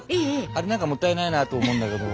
あれ何かもったいないなと思うんだけど。